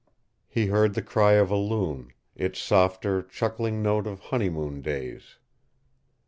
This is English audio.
He heard the cry of a loon, its softer, chuckling note of honeymoon days.